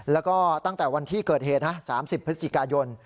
แล้วก็ตั้งแต่วันที่เกิดเหตุนะ๓๐พฤศจิกายน